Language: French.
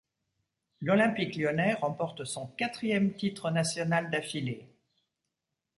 L'Olympique lyonnais remporte son quatrième titre national d'affilée.